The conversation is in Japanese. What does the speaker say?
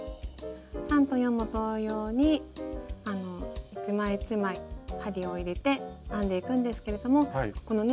３と４も同様に一枚一枚針を入れて編んでいくんですけれどもこのね